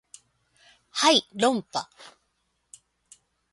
はい論破